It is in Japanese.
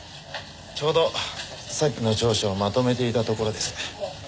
ちょうどさっきの調書をまとめていたところです。